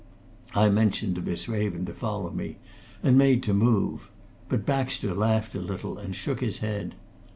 I motioned to Miss Raven to follow me, and made to move. But Baxter laughed a little and shook his head.